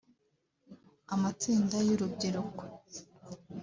Amatsinda y’urubyiruko